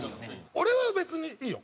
俺は別にいいよ。